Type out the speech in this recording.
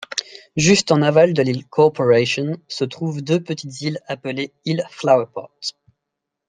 Juste en aval de l'île Corporation se trouvent deux petites îles appelées îles Flowerpot.